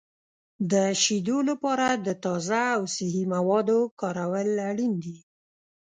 د شیدو لپاره د تازه او صحي موادو کارول اړین دي.